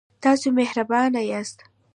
تاسو مهربان یاست